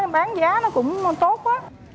bán giá nó cũng tốt quá